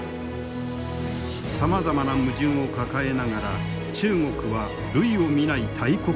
さまざまな矛盾を抱えながら中国は類を見ない大国となった。